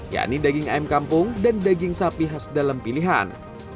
yakni daging ayam kampung dan daging sapi khas dalam pilihan